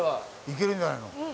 いけるんじゃないの。